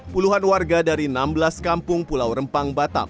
puluhan warga dari enam belas kampung pulau rempang batam